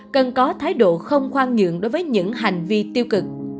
cần có thái độ không khoan nhượng đối với những hành vi tiêu cực